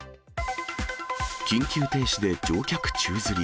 緊急停止で乗客宙づり。